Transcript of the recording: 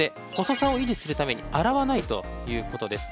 細さを維持するために洗わないということです。